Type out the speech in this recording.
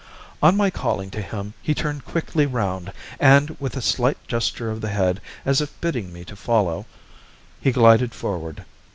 On my calling to him, he turned quickly round and, with a slight gesture of the head as if bidding me to follow, he glided forward.